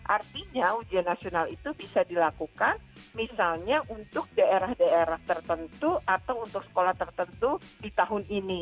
artinya ujian nasional itu bisa dilakukan misalnya untuk daerah daerah tertentu atau untuk sekolah tertentu di tahun ini